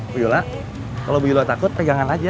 bu yola kalau bu yola takut pegangan aja